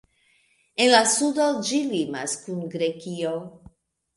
En la sudo ĝi limas kun Grekio.